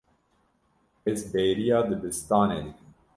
Ez bêriya dibistanê dikim.